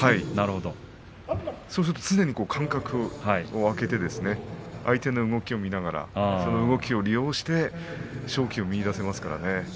そうすると、常に間隔を空けて相手の動きを見ながら動きを利用して勝機を見いだせますからね。